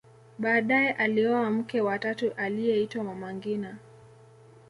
baadaye alioa mke wa tatu aliyeitwa mama ngina